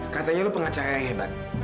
katanya lu pengacara yang hebat